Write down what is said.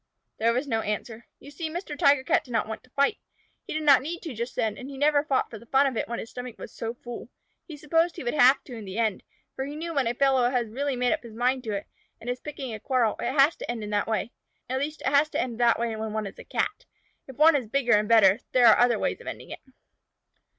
There was no answer. You see Mr. Tiger Cat did not want to fight. He did not need to just then, and he never fought for the fun of it when his stomach was so full. He supposed he would have to in the end, for he knew when a fellow has really made up his mind to it, and is picking a quarrel, it has to end in that way. At least, it has to end in that way when one is a Cat. If one is bigger and better, there are other ways of ending it.